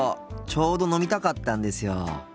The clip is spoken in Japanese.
ちょうど飲みたかったんですよ。